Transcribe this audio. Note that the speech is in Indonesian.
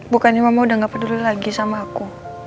bukannya mama udah gak peduli lagi sama aku